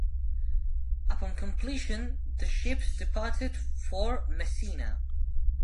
Upon completion, the ships departed for Messina.